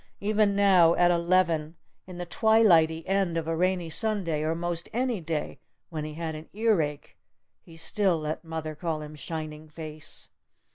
Even now at eleven in the twilightly end of a rainy Sunday, or most any day when he had an earache, he still let mother call him "Shining Face."